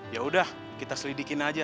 yaudah kita selidikin aja